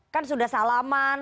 kan sudah salaman